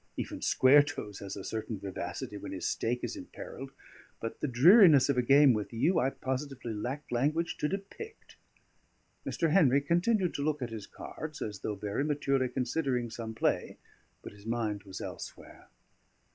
Even Square toes has a certain vivacity when his stake is imperilled; but the dreariness of a game with you I positively lack language to depict." Mr. Henry continued to look at his cards, as though very maturely considering some play; but his mind was elsewhere.